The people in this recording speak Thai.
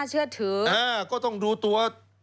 เชื่อถือก็ต้องดูตัว